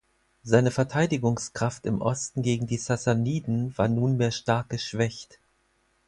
Seine Verteidigungskraft im Osten gegen die Sassaniden war nunmehr stark geschwächt.